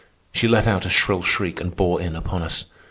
She let out a shrill shriek and bore in upon us.